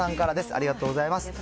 ありがとうございます。